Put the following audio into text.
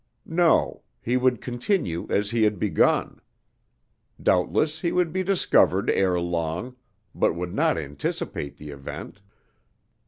No, he would continue as he had begun. Doubtless he would be discovered ere long, but would not anticipate the event."